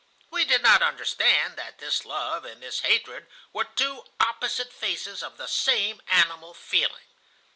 We did not understand that this love and this hatred were two opposite faces of the same animal feeling.